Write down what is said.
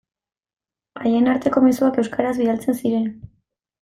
Haien arteko mezuak euskaraz bidaltzen ziren.